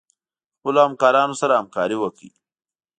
خپلو همکارانو سره همکاري وکړئ.